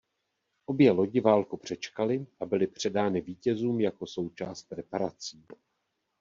Obě lodi válku přečkaly a byly předány vítězům jako součást reparací.